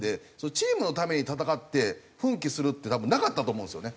チームのために戦って奮起するって多分なかったと思うんですよね。